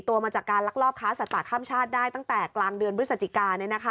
ตัวมาจากการลักลอบค้าสัตว์ป่าข้ามชาติได้ตั้งแต่กลางเดือนพฤศจิกา